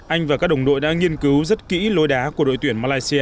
anh và các đồng đội đã nghiên cứu rất kỹ lôi đá của đội tuyển malaysia